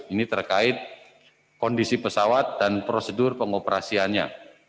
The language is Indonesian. ini terkait kondisi pesawat dan prosedur pengoperasiannya